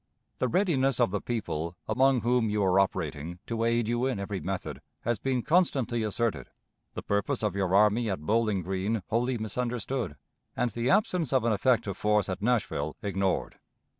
"The readiness of the people, among whom you are operating, to aid you in every method, has been constantly asserted; the purpose of your army at Bowling Green wholly misunderstood; and the absence of an effective force at Nashville ignored.